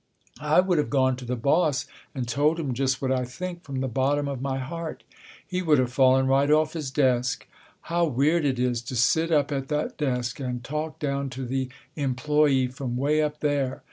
I would've gone to the boss and told him just what I think from the bottom of my heart. He would've fallen right off his desk! How weird it is to sit up at that desk and talk down to the employee from way up there.